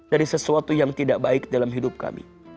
dari sesuatu yang tidak baik dalam hidup kami